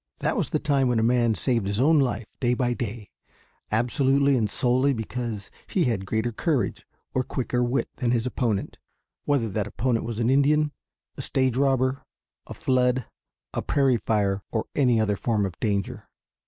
That was the time when a man saved his own life day by day, absolutely and solely because he had greater courage or quicker wit than his opponent, whether that opponent was an Indian, a stage robber, a flood, a prairie fire, or any other form of danger.